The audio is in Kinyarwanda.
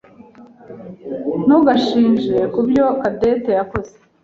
Ntugashinje kubyo Cadette yakoze.